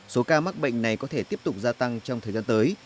số ca mắc bệnh này có thể tiếp tục gia tăng trong thời gian tới